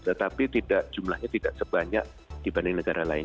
tetapi jumlahnya tidak sebanyak dibanding negara lain